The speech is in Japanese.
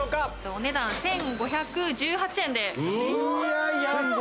お値段１５１８円です。